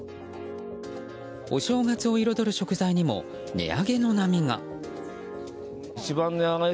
お正月を彩る食材にも値上げの波が。